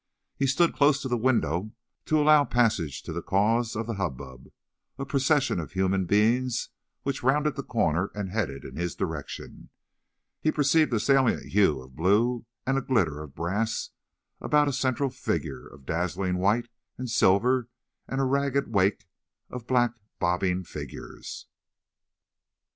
He stood close to the window to allow passage to the cause of the hubbub—a procession of human beings, which rounded the corner and headed in his direction. He perceived a salient hue of blue and a glitter of brass about a central figure of dazzling white and silver, and a ragged wake of black, bobbing figures.